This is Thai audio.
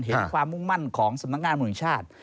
เห็นความมุ่งมั่นของสำนักงานมนุษย์ชาติ